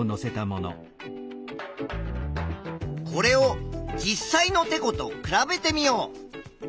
これを実際のてこと比べてみよう。